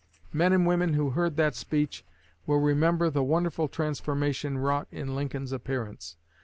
Men and women who heard that speech well remember the wonderful transformation wrought in Lincoln's appearance.